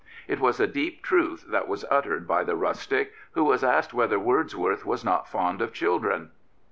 It was a deep truth that was uttered by ZS2 Lord Rosebery the rustic who was asked whether Wordsworth was not fond of children.